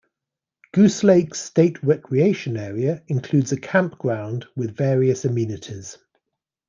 Goose Lake State Recreation Area includes a campground with various amenities.